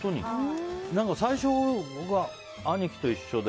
最初、僕は兄貴と一緒で。